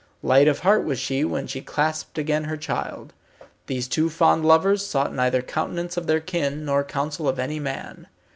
Light of heart was she when she clasped again her child. These two fond lovers sought neither countenance of their kin, nor counsel of any man.